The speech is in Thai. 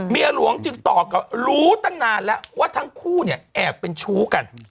หลวงจึงตอบกับรู้ตั้งนานแล้วว่าทั้งคู่เนี่ยแอบเป็นชู้กัน